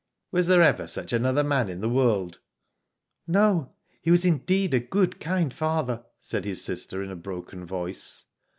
Was there ever such another man in the world ?''*' No. He was indeed, a good, kind father," said his sister, in a broken voice.